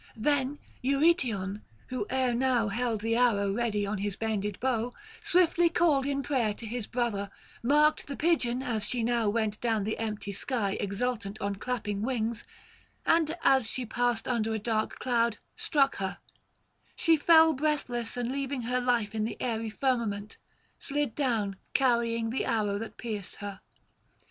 Then Eurytion, who ere now held the arrow ready on his bended bow, swiftly called in prayer to his brother, marked the pigeon as she now went down the empty sky exultant on clapping wings; and as she passed under a dark cloud, [517 553]struck her: she fell breathless, and, leaving her life in the aery firmament, slid down carrying the arrow that pierced her.